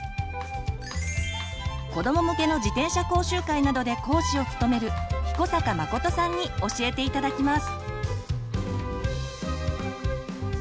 子ども向けの自転車講習会などで講師を務める彦坂誠さんに教えて頂きます。